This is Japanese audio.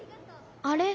あれ？